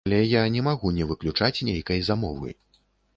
Але я не магу не выключаць нейкай замовы.